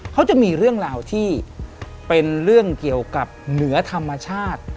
เขาจะมีเรื่องราวที่เป็นเรื่องเกี่ยวกับเหนือธรรมชาติ